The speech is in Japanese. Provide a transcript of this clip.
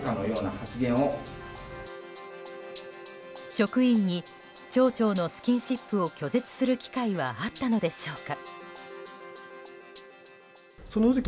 職員に町長のスキンシップを拒絶する機会はあったのでしょうか。